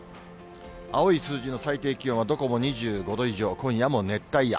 青い数字の最低気温はどこも２５度以上、今夜も熱帯夜。